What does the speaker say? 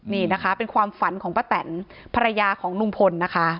นี่นะคะเป็นความฝันของป้าแตนภรรยาของลุงพลนะคะ